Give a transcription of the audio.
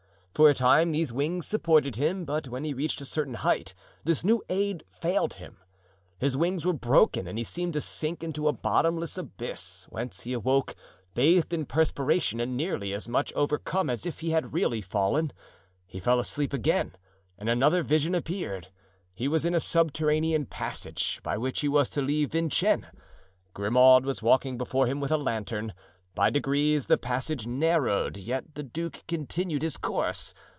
For a time these wings supported him, but when he reached a certain height this new aid failed him. His wings were broken and he seemed to sink into a bottomless abyss, whence he awoke, bathed in perspiration and nearly as much overcome as if he had really fallen. He fell asleep again and another vision appeared. He was in a subterranean passage by which he was to leave Vincennes. Grimaud was walking before him with a lantern. By degrees the passage narrowed, yet the duke continued his course.